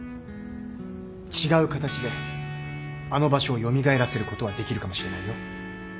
違う形であの場所を蘇らせることはできるかもしれないよ